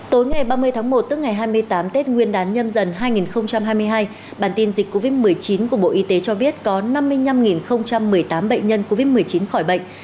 tối ngày ba mươi tháng một tức ngày hai mươi tám tết nguyên đán nhâm dần hai nghìn hai mươi hai bản tin dịch covid một mươi chín của bộ y tế cho biết có năm mươi năm một mươi tám bệnh nhân covid một mươi chín khỏi bệnh